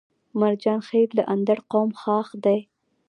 مرجان خيل د اندړ قوم خاښ دی